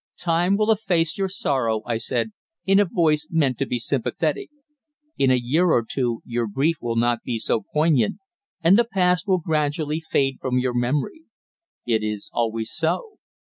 "Time will efface your sorrow," I said, in a voice meant to be sympathetic. "In a year or two your grief will not be so poignant, and the past will gradually fade from your memory. It is always so."